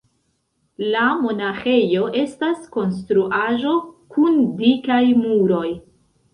La monaĥejo estas konstruaĵo kun dikaj muroj.